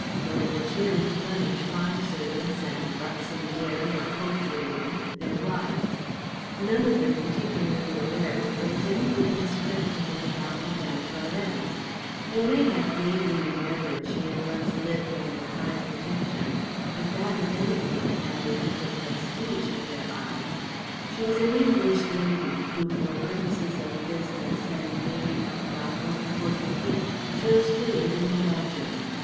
There were cheery Flemish farm servants and buxom dairy or poultry women, their wives; none of them particularly aware that there was anything discreditable about Madame Varennes. They may have vaguely remembered she had once lived under High protection, but that, if anything, added to her prestige in their eyes. She was an English lady who for purposes of business and may be of la haute politique chose to live in Belgium.